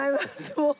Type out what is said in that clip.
もう。